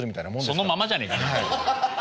そのままじゃねえか。